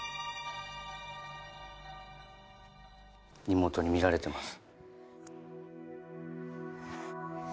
妹に見られてます。